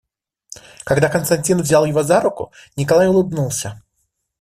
Когда Константин взял его за руку, Николай улыбнулся.